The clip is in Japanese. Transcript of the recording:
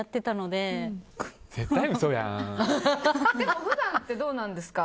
でも普段ってどうなんですか？